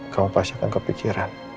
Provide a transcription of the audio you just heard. kamu pasti akan kepikiran